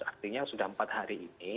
artinya sudah empat hari ini